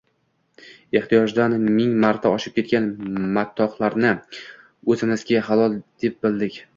– ehtiyojdan ming marta oshib ketgan matohlarni o‘zimizga halol deb bildik.